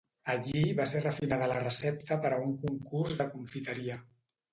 Allí va ser refinada la recepta per a un concurs de confiteria.